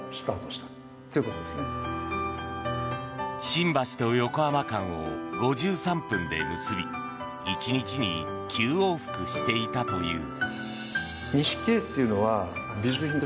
新橋と横浜間を５３分で結び１日に９往復していたという。